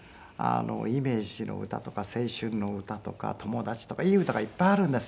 『イメージの詩』とか『青春の詩』とか『ともだち』とかいい歌がいっぱいあるんです